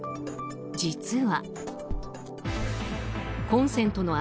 実は。